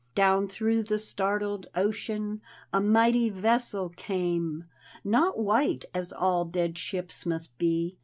Down through the startled ocean A mighty vessel came. Not white, as all dead ships must be.